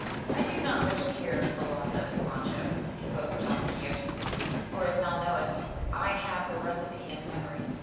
"I do not much care for the loss of it, Sancho," quoth Don Quixote; "for as thou knowest, I have the recipe in memory."